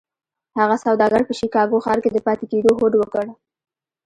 هغه سوداګر په شيکاګو ښار کې د پاتې کېدو هوډ وکړ.